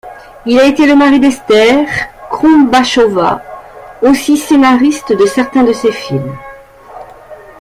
Il a été le mari d'Ester Krumbachová, aussi scénariste de certains de ses films.